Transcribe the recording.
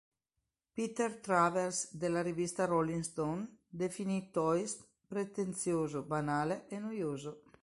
Peter Travers della rivista "Rolling Stone" definì "Toys" "pretenzioso, banale e noioso".